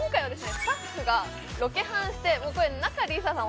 スタッフがロケハンして仲里依紗さん